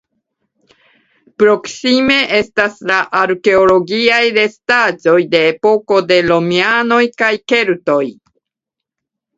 Proksime estas arkeologiaj restaĵoj de epoko de romianoj kaj keltoj.